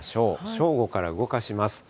正午から動かします。